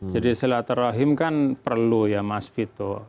jadi silaturrahim kan perlu ya mas vito